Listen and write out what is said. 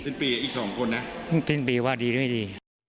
สิ้นปีอีก๒คนนะสิ้นปีว่าดีหรือไม่ดี